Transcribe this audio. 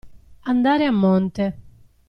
Andare a monte.